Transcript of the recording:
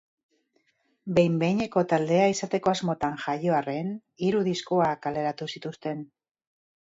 Behin-behineko taldea izateko asmotan jaio arren, hiru diskoa kaleratu zituzten.